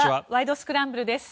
スクランブル」です。